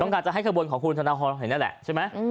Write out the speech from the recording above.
ต้องการจะให้ขบวนของคุณธนาฮอล์เห็นแหละใช่ไหม